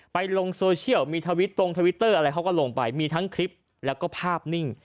ลงโซเชียลมีทวิตตรงทวิตเตอร์อะไรเขาก็ลงไปมีทั้งคลิปแล้วก็ภาพนิ่ง